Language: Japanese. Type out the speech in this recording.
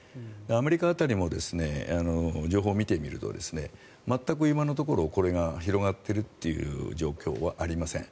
アメリカ辺りの情報を見てみると全く今のところこれが広がっているという状況はありません。